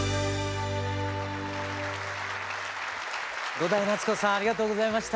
伍代夏子さんありがとうございました。